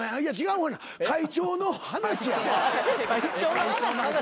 会長の話や。